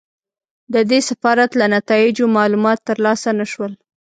د دې سفارت له نتایجو معلومات ترلاسه نه شول.